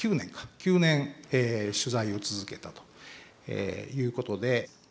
９年取材を続けたということで。